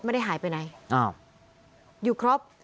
ไม่ได้หายไปไหนอ้าวอยู่ครบ